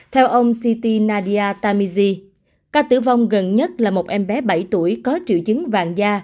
theo ông siti nadia tamizi ca tử vong gần nhất là một em bé bảy tuổi có trữ chứng vàng da